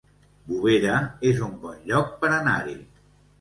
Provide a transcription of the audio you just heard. Bovera es un bon lloc per anar-hi